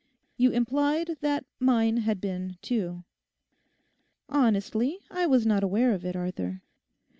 You implied that mine had been too. Honestly, I was not aware of it, Arthur.